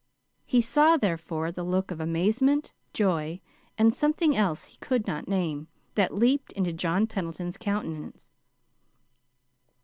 He saw, therefore, the look of amazement, joy, and something else he could not name, that leaped into John Pendleton's countenance.